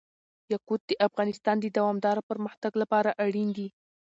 یاقوت د افغانستان د دوامداره پرمختګ لپاره اړین دي.